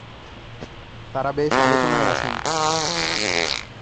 তারা বেশ আলোচনায় আছেন।